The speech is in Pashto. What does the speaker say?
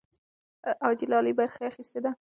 حاجي لالي برخه اخیستې ده.